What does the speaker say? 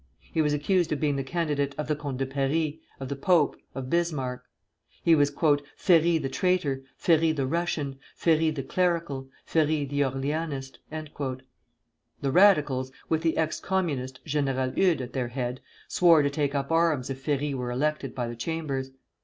He was accused of being the candidate of the Comte de Paris, of the pope, of Bismarck. He was "Ferry the traitor! Ferry the Prussian! Ferry the clerical! Ferry the Orleanist!" The Radicals, with the ex Communist, General Eudes, at their head, swore to take up arms if Ferry were elected by the Chambers.